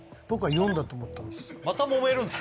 僕は４だと思ったんですああそう？